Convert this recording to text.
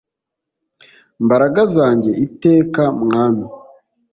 mbaraga zanjye iteka mwami